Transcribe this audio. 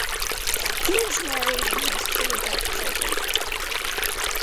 He is married, and has two adult children.